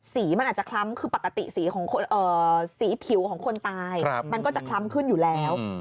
สีมันอาจจะคล้ำคือปกติสีผิวของคนตายมันก็จะคล้ำขึ้นอยู่แล้ว